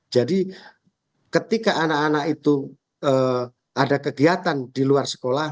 jadi ketika anak anak itu ada kegiatan di luar sekolah